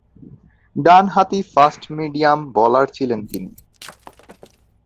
ডানহাতি fast medium bowler ছিলেন তিনি।